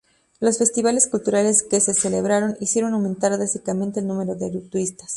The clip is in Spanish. Los festivales culturales que se celebraron hicieron aumentar dramáticamente el número de turistas.